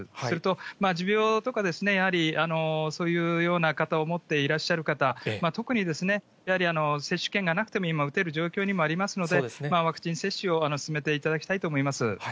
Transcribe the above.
それと、持病とか、やはりそういうような方を持っていらっしゃる方、特にやはり接種券がなくても、今、打てる状況にもありますので、ワクチン接種を進めていただきたいと思います。